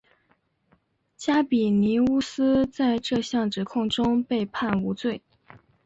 加比尼乌斯在这项指控中被判无罪。